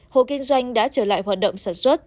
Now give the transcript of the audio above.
hộ kinh doanh đã trở lại hoạt động sản xuất